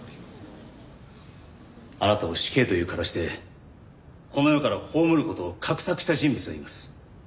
あなたを「死刑」という形でこの世から葬る事を画策した人物がいます。